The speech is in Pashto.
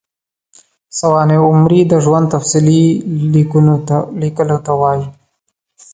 سوانح عمري د ژوند تفصیلي لیکلو ته وايي.